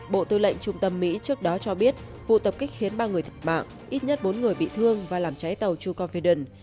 bộ tư lệnh trung tâm mỹ trước đó cho biết vụ tập kích khiến ba người thiệt mạng ít nhất bốn người bị thương và làm cháy tàu truecofyden